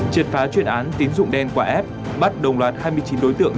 triệt phá chuyên án tín dụng đen quả ép bắt đồng loạt hai mươi chín đối tượng